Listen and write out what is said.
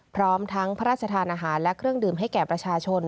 พร้อมทั้งพระราชทานอาหารและเครื่องดื่มให้แก่ประชาชน